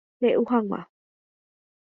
Rey'u hag̃ua.